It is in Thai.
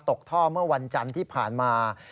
ตกท่อเมื่อวันจันทร์ที่ผ่านมา